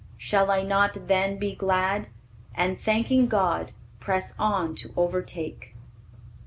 Shall I not then be glad, And, thanking God, press on to overtake!"